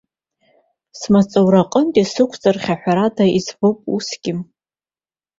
Смаҵураҟынтәи сықәҵра хьаҳәрада иӡбоуп усгьы.